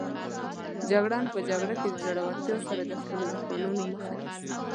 جګړن په جګړه کې د زړورتیا سره د خپلو دښمنانو مخه نیسي.